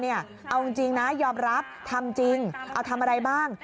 เอาจริงนะยอมรับทำจริงเอาทำอะไรบ้าง